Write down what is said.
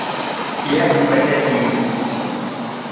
یک بجہ تھی